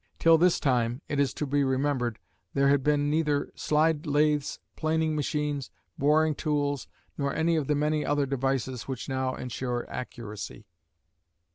Till this time, it is to be remembered there had been neither slide lathes, planing machines, boring tools, nor any of the many other devices which now ensure accuracy.